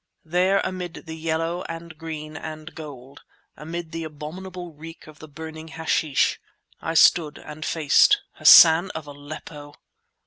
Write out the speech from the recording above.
There amid the yellow and green and gold, amid the abominable reek of burning hashish I stood and faced Hassan of Aleppo!